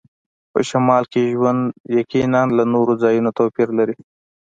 په شمال کې ژوند یقیناً له نورو ځایونو توپیر لري